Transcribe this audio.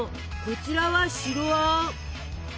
こちらは白あん。